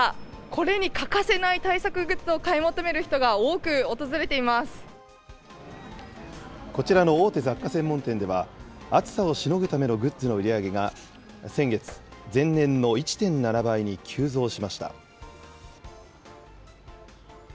これに欠かせない対策グッズを買こちらの大手雑貨専門店では、暑さをしのぐためのグッズの売り上げが先月、前年の１．７倍に急増しました。